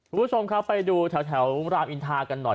คุณผู้ชมครับไปดูแถวรามอินทากันหน่อย